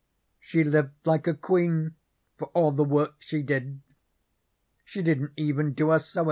She lived like a queen for all the work she did. She didn't even do her sewin'.